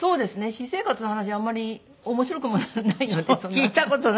私生活の話あんまり面白くもないのでそんな。